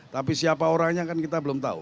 tapi siapa orangnya kan kita belum tahu